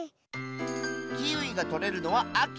キウイがとれるのはあき。